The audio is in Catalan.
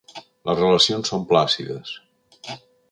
Les relacions són plàcides.